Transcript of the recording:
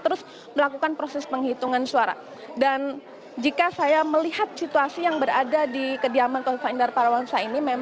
terima kasih terima kasih